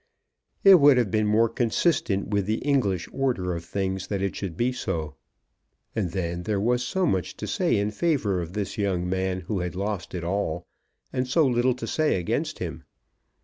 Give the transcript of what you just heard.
It would have been more consistent with the English order of things that it should be so. And then there was so much to say in favour of this young man who had lost it all, and so little to say against him!